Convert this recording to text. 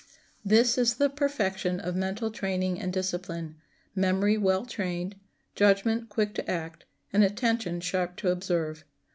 This is the perfection of mental training and discipline,—memory well trained, judgment quick to act, and attention sharp to observe.